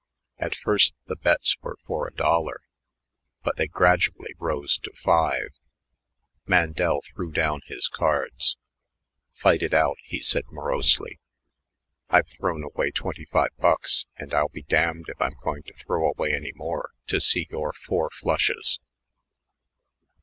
At first the bets were for a dollar, but they gradually rose to five. Mandel threw down his cards. "Fight it out," he said morosely. "I've thrown away twenty five bucks, and I'll be damned if I'm going to throw away any more to see your four flushes."